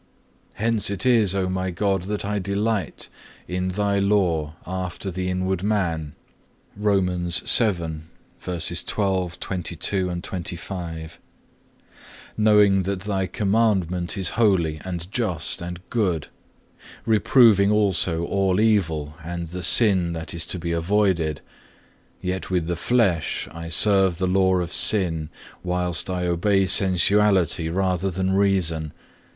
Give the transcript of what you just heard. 3. Hence it is, O my God, that I delight in Thy law after the inward man,(1) knowing that Thy commandment is holy and just and good; reproving also all evil, and the sin that is to be avoided: yet with the flesh I serve the law of sin, whilst I obey sensuality rather than reason.